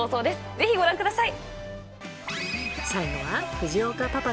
ぜひご覧ください。